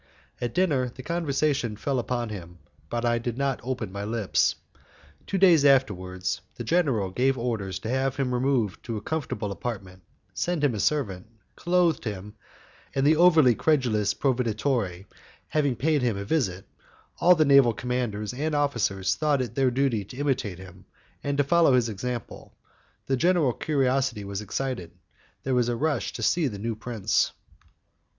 At dinner the conversation fell upon him, but I did not open my lips. Two days afterwards, the general gave orders to have him removed to a comfortable apartment, sent him a servant, clothed him, and the over credulous proveditore having paid him a visit, all the naval commanders and officers thought it their duty to imitate him, and to follow his example: the general curiosity was excited, there was a rush to see the new prince.